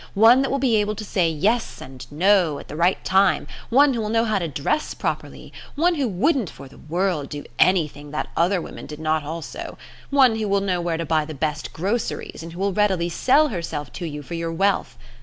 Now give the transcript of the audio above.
One that will be able to say yes and no at the right time; one who will know how to dress properly; one who wouldn't for the world do anything that other women did not also; one who will know where to buy the best groceries and who will readily sell herself to you for your wealth.